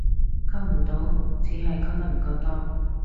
溝唔到只係溝得唔夠多